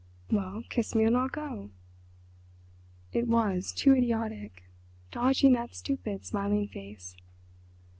"Well, kiss me and I'll go!" It was too idiotic—dodging that stupid, smiling face.